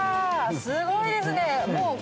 すごいですね。